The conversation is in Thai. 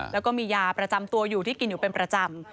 แล้วก็มียาประจำตัวอยู่ที่กินอยู่เป็นประจำ